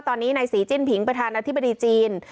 ตอนนี้ในศรีจิ้นผิงประธานาธิบดีจีน